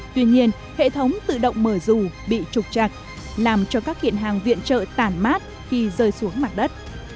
tuy nhiên hệ thống tự động mở rù bị trục chặt làm cho các kiện hàng viện trợ tản mát khi rơi xuống mặt đất